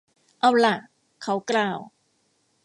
เอาล่ะ เขากล่าว